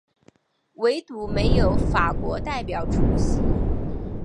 惟独没有法国代表出席。